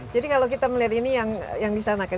jadi kalau kita melihat ini yang di sana kan